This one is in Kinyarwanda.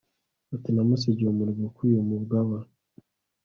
ati namusigiye umurwi ukwiye umugaba